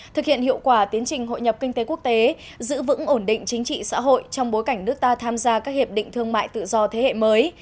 thực hiện hiệu quả tiến trình hội nhập kinh tế quốc tế giữ vững ổn định chính trị xã hội trong bối cảnh nước ta tham gia các hiệp định thương mại tự do thế hệ mới